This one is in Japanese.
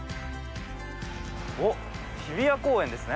おっ日比谷公園ですね。